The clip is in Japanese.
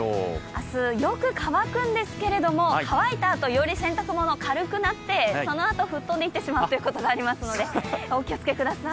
明日、よく乾くんですけど、乾いたあとより洗濯物、軽くなってそのあと吹っ飛んでしまうことがありますので気をつけてください。